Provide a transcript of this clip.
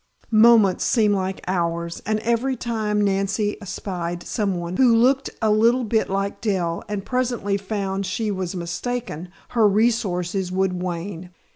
Moments seemed like hours, and every time Nancy espied someone who looked a little bit like Dell and presently found she was mistaken, her resources would wane.